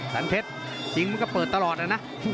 สันเผชจริงมะก็เปิดตลอดเลยนะ